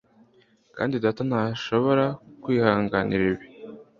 Kandi data ntashobora kwihanganira ibi.